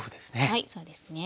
はいそうですね。